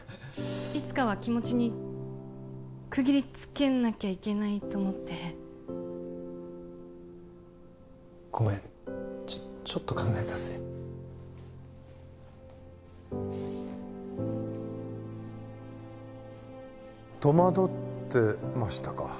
いつかは気持ちに区切りつけなきゃいけないと思ってごめんちょっと考えさせて戸惑ってましたか？